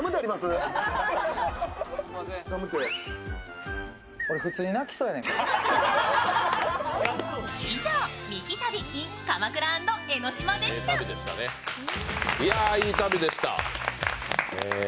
いやあ、いい旅でした。